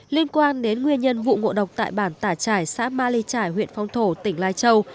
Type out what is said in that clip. liên quan đến nguyên nhân vụ ngộ độc tại bản tả trải xã ma ly trải huyện phong thổ tỉnh lai châu